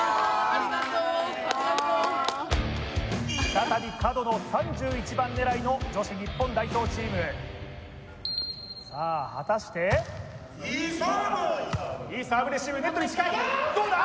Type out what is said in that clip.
再び角の３１番狙いの女子日本代表チームさあ果たしていいサーブいいサーブレシーブネットに近いどうだ？